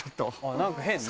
何か変ね。